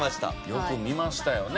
よく見ましたよね。